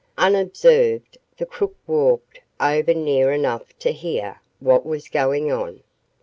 Unobserved, the crook walked over near enough to hear what was going on.